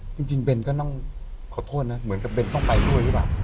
จริงเบนก็ต้องขอโทษนะเหมือนกับเบนต้องไปด้วยหรือเปล่า